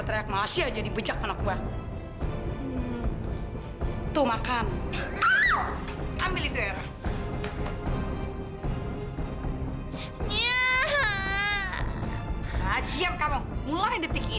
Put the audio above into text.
tapi kan ada bibi kenapa gak bibi aja nyuci